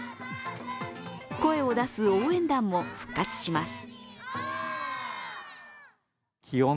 声を出す応援団も復活します。